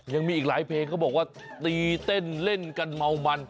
ยังมีอีกหลายเพลงเขาบอกว่าตีเต้นเล่นกันเมามัน